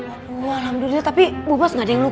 alhamdulillah tapi bu bos gak ada yang lupa